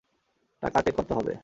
টাকাতে কত হবে?